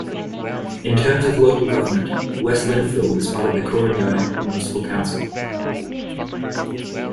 In terms of local government, West Lindfield is part of the Ku-ring-gai municipal council.